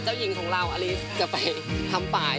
คือเหมือนเราอาชีพการงาน